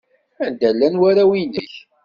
Anda llan warraw-nnek?